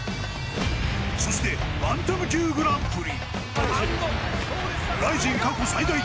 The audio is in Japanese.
そして、バンタム級グランプリ。